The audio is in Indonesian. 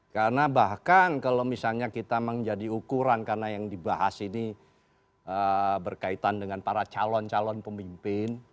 karena bahkan kalau misalnya kita menjadi ukuran karena yang dibahas ini berkaitan dengan para calon calon pemimpin